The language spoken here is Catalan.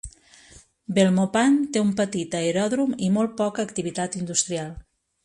Belmopan té un petit aeròdrom i molt poca activitat industrial.